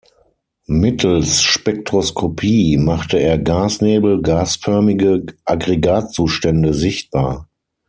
Mittels Spektroskopie machte er Gasnebel, gasförmige Aggregatzustände, sichtbar.